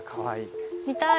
見たい。